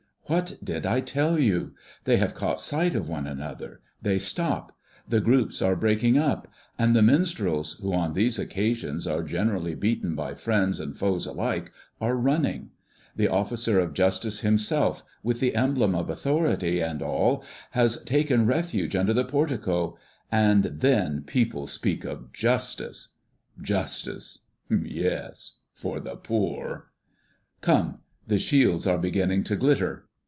What did I tell you? They have caught sight of one another; they stop; the groups are breaking up; and the minstrels, who on these occasions are generally beaten by friends and foes alike, are running; the officer of justice himself, with the emblem of authority and all, has taken refuge under the portico, and then people speak of justice! Justice! yes, for the poor. "Come! the shields are beginning to glitter.